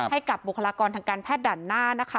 ให้กับบุคลากรทางการแพทย์ด่านหน้านะคะ